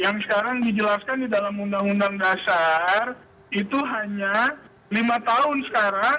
yang sekarang dijelaskan di dalam undang undang dasar itu hanya lima tahun sekarang